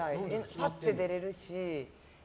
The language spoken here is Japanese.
パッて出れるし。